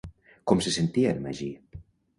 Com se sentia en Magí?